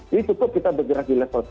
jadi supaya kita bergerak di level